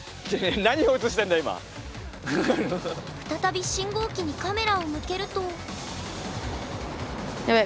再び信号機にカメラを向けると。